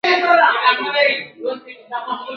ګړی وروسته غویی پروت اندام اندام وو ..